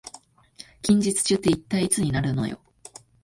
近日中って一体いつになるのよ